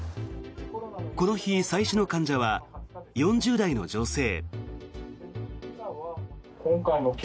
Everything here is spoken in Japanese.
この日、最初の患者は４０代の女性。